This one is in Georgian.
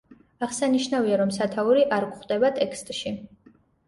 აღსანიშნავია, რომ სათაური არ გვხვდება ტექსტში.